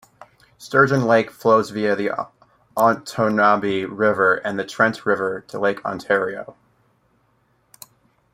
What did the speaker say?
Sturgeon Lake flows via the Otonabee River and the Trent River to Lake Ontario.